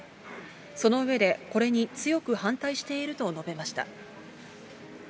その上で、これに強く反対していると述べました。